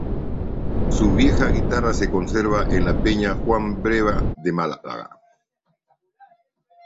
Su vieja guitarra se conserva en la Peña Juan Breva de Málaga.